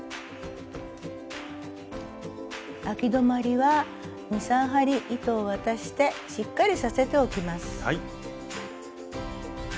あき止まりは２３針糸を渡してしっかりさせておきます。